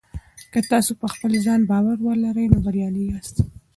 که تاسي په خپل ځان باور ولرئ نو بریالي یاست.